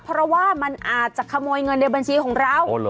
เพราะว่ามันอาจจะขโมยเงินในบัญชีของเรา